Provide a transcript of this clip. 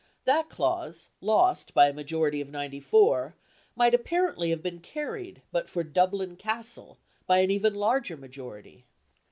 That clause, lost by a majority of ninety four, might apparently have been carried, but for "Dublin Castle," by an even larger majority.